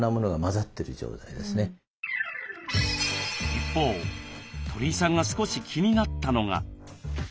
一方鳥居さんが少し気になったのが。